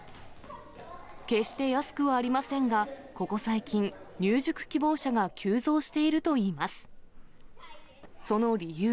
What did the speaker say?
決して安くはありませんが、ここ最近、入塾希望者が急増しているといいます。